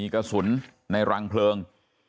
กระสุนในรังเพลิง